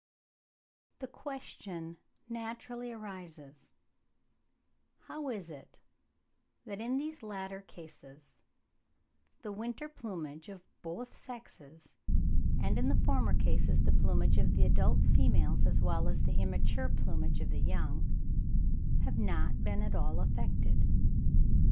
The question naturally arises, how is it that in these latter cases the winter plumage of both sexes, and in the former cases the plumage of the adult females, as well as the immature plumage of the young, have not been at all affected?